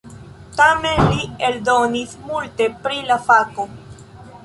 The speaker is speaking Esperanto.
Tamen li eldonis multe pri la fako.